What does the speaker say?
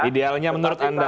idealnya menurut anda